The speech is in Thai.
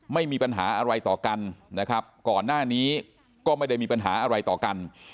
ไม่มีปัญหาอะไรต่อกันนะครับก่อนหน้านี้ก็ไม่ได้มีปัญหาอะไรต่อกัน